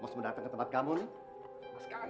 pokoknya mas mau datang ke tempat kamu sekarang